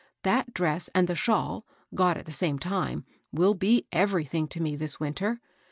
That dress and the shawl, got at the same time, will be everything to me this winter.